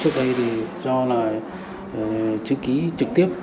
trước đây do là chữ ký trực tiếp